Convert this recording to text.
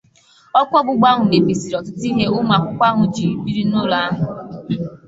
ọkụ ọgbụgba ahụ mebisiri ọtụtụ ihe ụmụakwụkwọ ahụ jiri biri n'ụlọ ahụ